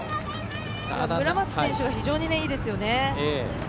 村松選手は非常にいいです。